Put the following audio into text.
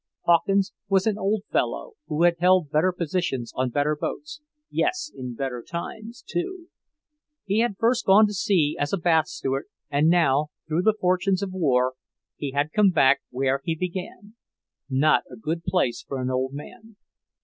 Hawkins was an old fellow who had held better positions on better boats, yes, in better times, too. He had first gone to sea as a bath steward, and now, through the fortunes of war, he had come back where he began, not a good place for an old man.